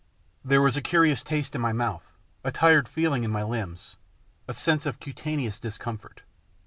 There was a curious taste in my mouth, a tired feel ing in my limbs, a sense of cutaneous discomfort.